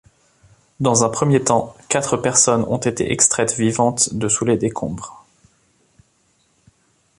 Dans un premier temps quatre personnes ont été extraites vivantes de sous les décombres.